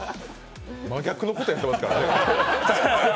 真逆のことやってますからね。